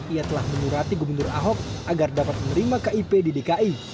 ia telah menyurati gubernur ahok agar dapat menerima kip di dki